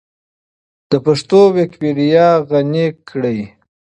د پښتو ويکيپېډيا غني کړئ.